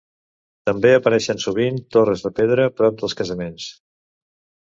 També apareixen sovint torres de pedra prop dels casaments.